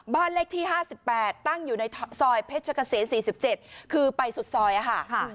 บ้านเลขที่๕๘ตั้งอยู่ในซอยเพชรเกษม๔๗คือไปสุดซอยค่ะ